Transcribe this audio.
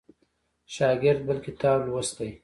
شاګرد بل کتاب لوستی.